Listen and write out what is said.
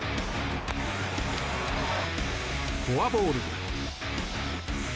フォアボール。